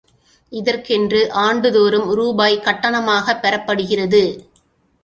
இதற்கென்று ஆண்டுதோறும் ரூ. கட்டணமாகப் பெறப்படுகிறது.